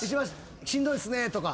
「しんどいっすね」とか。